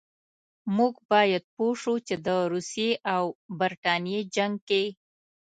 موږ باید پوه شو چې د روسیې او برټانیې جنګ کې.